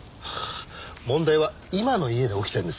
問題は今の家で起きているんです。